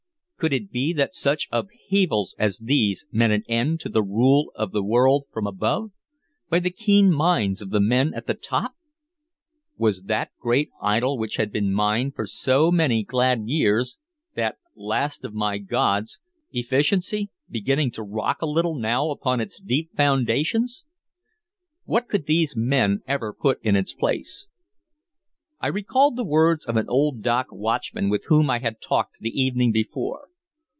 Could it be that such upheavals as these meant an end to the rule of the world from above, by the keen minds of the men at the top? Was that great idol which had been mine for so many glad years, that last of my gods, Efficiency, beginning to rock a little now upon its deep foundations? What could these men ever put in its place? I recalled the words of an old dock watchman with whom I had talked the evening before.